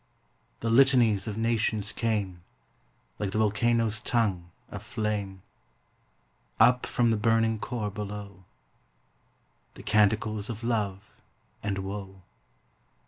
The litanies of nations came, Like the volcano's tongue of flame, Up from the burning core below, — The canticles of love and woe.